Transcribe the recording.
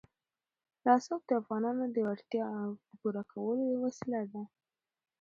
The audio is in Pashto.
رسوب د افغانانو د اړتیاوو د پوره کولو یوه وسیله ده.